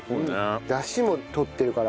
出汁も取ってるから。